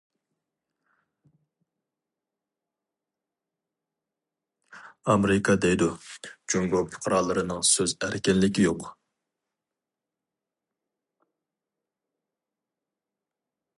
ئامېرىكا دەيدۇ: جۇڭگو پۇقرالىرىنىڭ سۆز ئەركىنلىكى يوق.